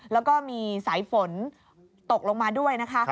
แล้วก็มีสายฝนตกลงมาด้วยนะคะ